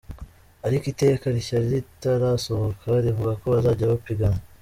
Ariko iteka rishya ritarasohoka rivuga ko bazajya bapiganwa.